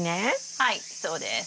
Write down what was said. はいそうです。